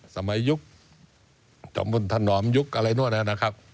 สมัยยุคจอมบุญถนอมยุคอะไรนู่นนะครับ